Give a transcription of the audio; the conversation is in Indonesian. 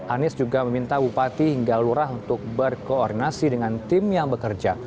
anies juga meminta bupati hingga lurah untuk berkoordinasi dengan tim yang bekerja